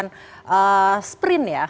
ini kan bukan sprint ya